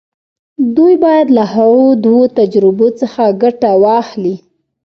دوی بايد له هغو دوو تجربو څخه ګټه واخلي.